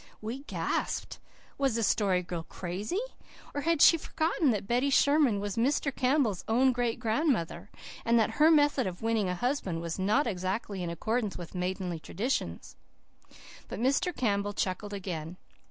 We gasped. Was the Story Girl crazy? Or had she forgotten that Betty Sherman was Mr. Campbell's own great grandmother, and that her method of winning a husband was not exactly in accordance with maidenly traditions. But Mr. Campbell chuckled again.